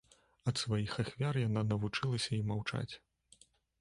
Ад сваіх ахвяр яна навучылася і маўчаць.